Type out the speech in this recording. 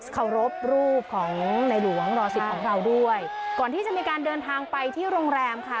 เคารพรูปของในหลวงรอสิบของเราด้วยก่อนที่จะมีการเดินทางไปที่โรงแรมค่ะ